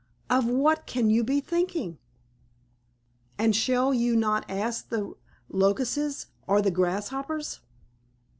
Of what can you be thinking?" "And shall you not ask the Locusts, or the Grasshoppers?"